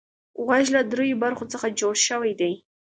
غوږ له دریو برخو څخه جوړ شوی دی.